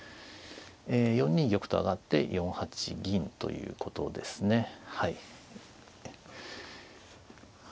４二玉と上がって４八銀ということですね。